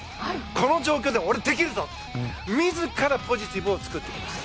この状況で俺、できるぞって自らポジティブを作っていきました。